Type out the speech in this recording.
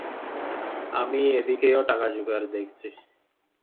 আমি এদিকেও টাকার যোগাড় দেখছি।